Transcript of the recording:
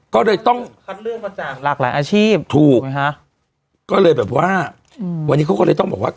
ก็เลยต้องคัดเลือกมาจากหลากหลายอาชีพถูกไหมฮะก็เลยแบบว่าอืมวันนี้เขาก็เลยต้องบอกว่า